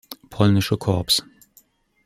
Polnische Korps.